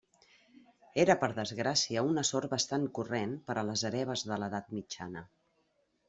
Era per desgràcia una sort bastant corrent per a les hereves de l'Edat mitjana.